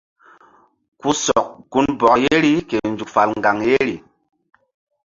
Ku sɔk gunbɔk yeri ke nzuk fal ŋgaŋ yeri.